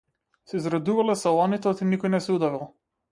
Се израдувале селаните оти никој не се удавил.